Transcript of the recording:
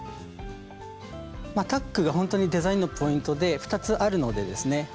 タックがほんとにデザインのポイントで２つあるのでですね